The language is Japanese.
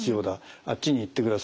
「あっちに行ってください」